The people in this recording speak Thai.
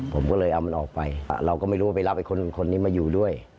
ผมก็เลยเอามันออกไปเราก็ไม่รู้ว่าไปรับไอ้คนนี้มาอยู่ด้วย